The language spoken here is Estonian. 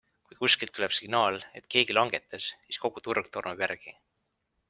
Kui kusagilt tuleb signaal, et keegi langetas, siis kogu turg tormab järgi.